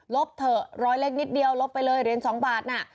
ลบเถอะรอยเล็กนิดเดียวลบไปเลยรีนสองบาทน่ะ